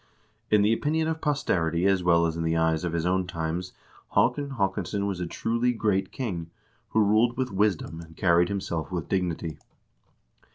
In the opinion of posterity as well as in the eyes of his own times Haakon Haakonsson was a truly great king, who ruled with wisdom and carried himself with dignity.